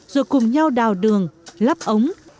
rồi cùng nhau đào đường lắp ống